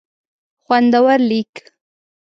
خوندور لیک